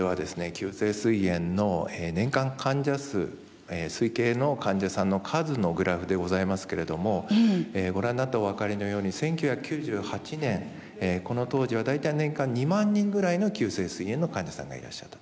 急性すい炎の年間患者数推計の患者さんの数のグラフでございますけれどもご覧になってお分かりのように１９９８年この当時は大体年間２万人ぐらいの急性すい炎の患者さんがいらっしゃったと。